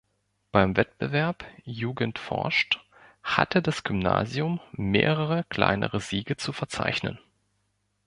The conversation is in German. Beim Wettbewerb Jugend forscht hatte das Gymnasium mehrere kleinere Siege zu verzeichnen.